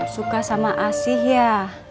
suka sama asih ya